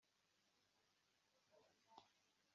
ni byo byi byo gusa.